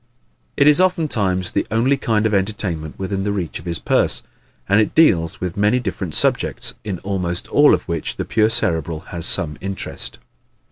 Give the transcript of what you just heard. It is oftentimes the only kind of entertainment within the reach of his purse; and it deals with many different subjects, in almost all of which the pure Cerebral has some interest.